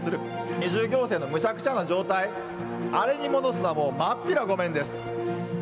二重行政のむちゃくちゃな状態、あれに戻すのは、もうまっぴらごめんです。